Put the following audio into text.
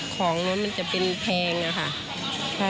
ของมันจะเป็นแพงค่ะ